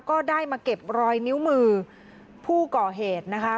ก็ได้มาเก็บรอยนิ้วมือผู้ก่อเหตุนะคะ